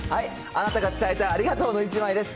あなたが伝えたいありがとうの１枚です。